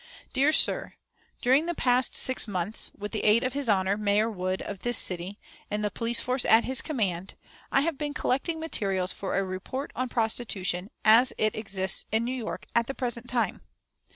"DEAR SIR, During the past six months, with the aid of His Honor, Mayor Wood, of this city, and the police force at his command, I have been collecting materials for a report on Prostitution, as it exists in New York at the present time.